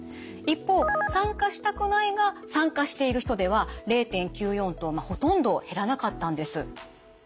一方参加したくないが参加している人では０．９４とほとんど減らなかったんです。